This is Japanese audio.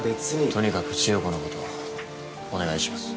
とにかく千代子のことお願いします。